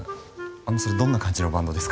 あのそれどんな感じのバンドですか？